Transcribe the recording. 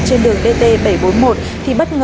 trên đường dt bảy trăm bốn mươi một